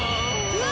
うわ！